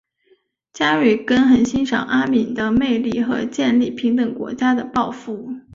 加瑞根很欣赏阿敏的魅力和建立平等国家的抱负。